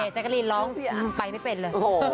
แจ๊กกะรีนร้องไปไม่เป็นเลย